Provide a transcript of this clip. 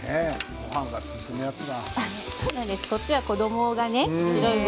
ごはんが進むやつだ。